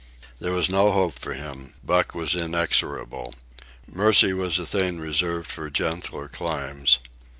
There was no hope for him. Buck was inexorable. Mercy was a thing reserved for gentler climes.